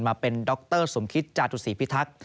มาเป็นดรสมคิตจาตุศีพิทักษ์